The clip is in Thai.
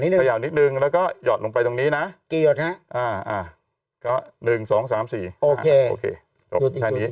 นิดนึงแล้วก็ยอดลงไปตรงนี้นะกี่ยกนะอ่ะก็หนึ่งสองสาม